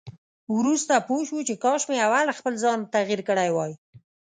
وروسته پوه شو چې کاش مې اول خپل ځان تغيير کړی وای.